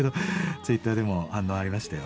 ツイッターでも反応ありましたよ。